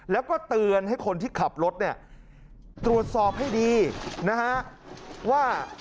แล้วก็เตือนให้คนที่ขับรถเนี่ยตรวจสอบให้ดีนะฮะว่า